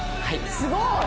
すごい！